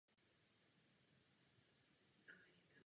Kromě vody velké škody způsobily i sesuvy půdy.